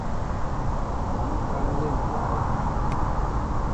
Má ŋkă a nlen ndáw.